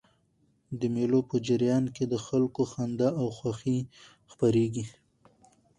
د مېلو په جریان کښي د خلکو خندا او خوښي خپریږي.